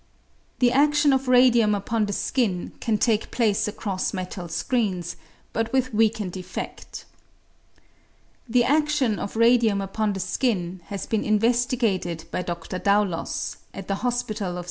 The adion of radium upon the skin can take place across metal screens, but with weakened effed. The adion of radium upon the skin has been investigated by Dr. Daulos, at the Hospital of S.